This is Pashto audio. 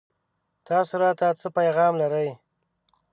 تاسو راته څه پيغام لرئ